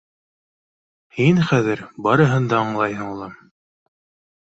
— Һин хәҙер барыһын да аңлайһың, улым.